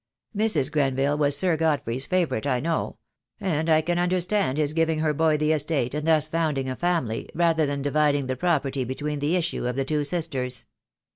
Mrs. Grenville was Sir Godfrey's favourite, I know, and I can understand his THE DAY WILL COME. I 3 I giving her boy the estate, and thus founding a family, rather than dividing the property between the issue of the two sisters."